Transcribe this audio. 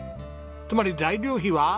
つまり材料費は。